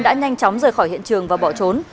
đã nhanh chóng rời khỏi hiện trường và bỏ trốn